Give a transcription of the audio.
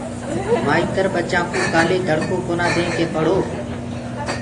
مآئيتر ٻچآن ڪو ڪآلي دڙڪو ڪونآ دين ڪي پڙهو